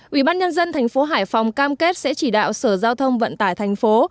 ủy ban nhân dân thành phố hải phòng cam kết sẽ chỉ đạo sở giao thông vận tải thành phố